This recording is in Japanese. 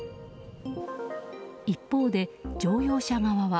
一方で、乗用車側は。